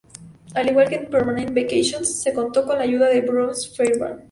Al igual que en "Permanent Vacation" se contó con la ayuda de Bruce Fairbairn.